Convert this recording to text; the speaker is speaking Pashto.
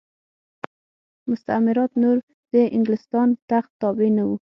مستعمرات نور د انګلستان تخت تابع نه وو.